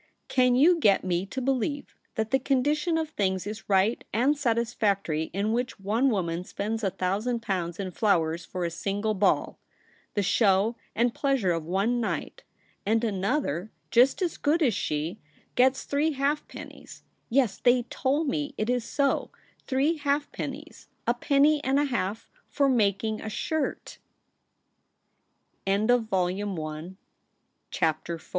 Can you get me to believe that the condition of things is right and satisfactory in which one woman spends a thousand pounds in flowers for a single ball — the show and pleasure of one night — and another, just as good as she, gets three halfpennies — yes, they told me it is so, three halfpennies ; a penny and a half — for making